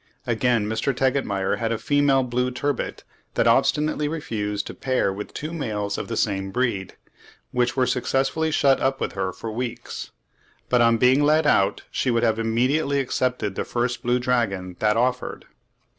Again, Mr. Tegetmeier had a female blue turbit that obstinately refused to pair with two males of the same breed, which were successively shut up with her for weeks; but on being let out she would have immediately accepted the first blue dragon that offered.